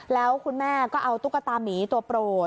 แล้วคุณแม่ก็เอาตุ๊กตามีตัวโปรด